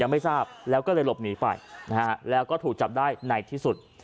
ไม่ทราบแล้วก็เลยหลบหนีไปนะฮะแล้วก็ถูกจับได้ในที่สุด